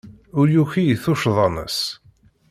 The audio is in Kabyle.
Ur yuki i tuccḍa-nnes.